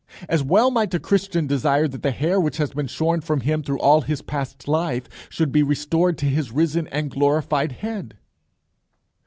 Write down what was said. As well might a Christian desire that the hair which has been shorn from him through all his past life should be restored to his risen and glorified head.